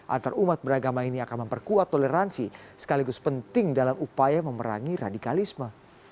antarumat beragama ini akan memperkuat toleransi sekaligus penting dalam upaya memerangi radikalisme